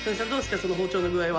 その包丁の具合は。